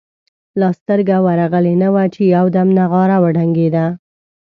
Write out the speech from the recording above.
لا سترګه ورغلې نه وه چې یو دم نغاره وډنګېده.